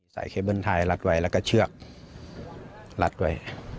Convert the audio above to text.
เคเบิ้ลไทยรัดไว้แล้วก็เชือกรัดไว้